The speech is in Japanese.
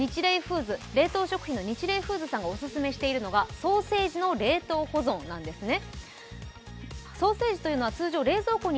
冷凍食品のニチレイフーズさんがオススメしているのがソーセージの冷凍保存なんですね。